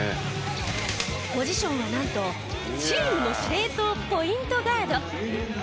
ポジションはなんとチームの司令塔ポイントガード。